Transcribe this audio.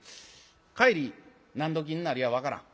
帰り何どきになるや分からん。